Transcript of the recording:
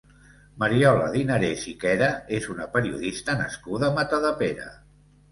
Mariola Dinarès i Quera és una periodista nascuda a Matadepera.